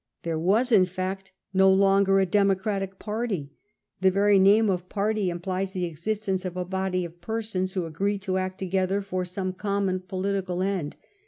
There was, in fact, no longer a Democratic party — the very name of party implies the existence of a body of persons who agree to act together for soma common political end.